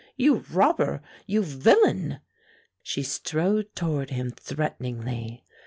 "You robber! You villain!" She strode toward him threateningly.